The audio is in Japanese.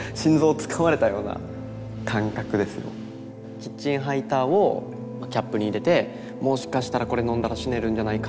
キッチンハイターをキャップに入れてもしかしたらこれ飲んだら死ねるんじゃないか。